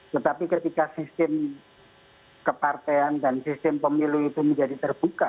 tetapi ketika sistem kepartean dan sistem pemilu itu menjadi terbuka